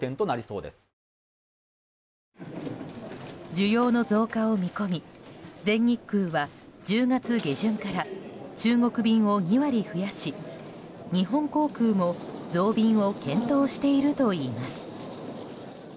需要の増加を見込み全日空は１０月下旬から中国便を２割増やし日本航空も増便を検討しているといいます。